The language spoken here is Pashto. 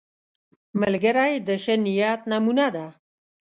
ملګری د ښه نیت نمونه ده